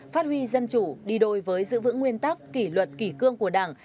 phát huy dân chủ đi đôi với giữ vững nguyên tắc kỷ luật kỷ cương của đảng